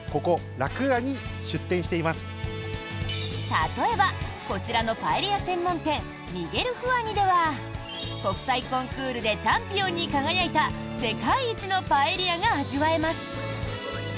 例えばこちらのパエリア専門店ミゲルフアニでは国際コンクールでチャンピオンに輝いた世界一のパエリアが味わえます。